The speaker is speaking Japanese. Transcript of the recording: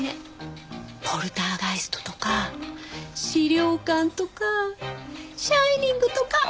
『ポルターガイスト』とか『死霊館』とか『シャイニング』とか！